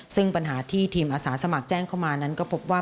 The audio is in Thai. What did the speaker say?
ซึ่งปัญหาที่ทีมอาสาสมัครแจ้งเข้ามานั้นก็พบว่า